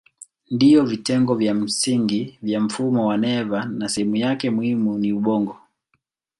Ndiyo vitengo vya msingi vya mfumo wa neva na sehemu yake muhimu ni ubongo.